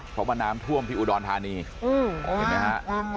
เพราะว่าน้ำท่วมที่อุดรธานีเห็นไหมฮะ